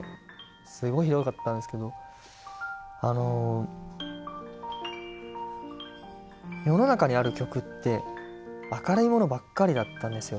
すごいひどかったんですけどあの世の中にある曲って明るいものばっかりだったんですよ。